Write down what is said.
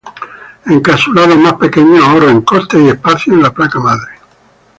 Encapsulados más pequeños ahorran costes y espacio en la placa madre.